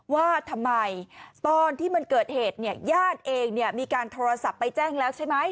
ว่าทำไมตอนที่มันเกิดเหตุเนี่ยญาติเองเนี่ยมีการโทรศัพท์ไปแจ้งแล้วใช่ไหม